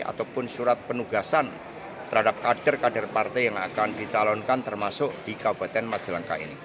ataupun surat penugasan terhadap kader kader partai yang akan dicalonkan termasuk di kabupaten majalengka ini